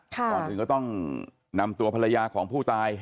ก่อนถึงก็ต้องนำตัวภรรยาของผู้ตาย